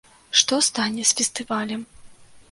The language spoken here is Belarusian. Што стане з фестывалем?